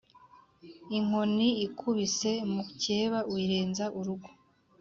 Inkoni ikubise Mukeba uyirenza urugo